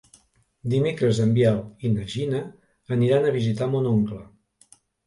Dimecres en Biel i na Gina aniran a visitar mon oncle.